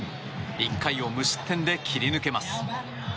１回を無失点で切り抜けます。